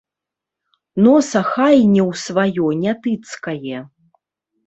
Носа хай не ў сваё не тыцкае.